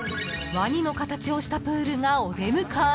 ［ワニの形をしたプールがお出迎え］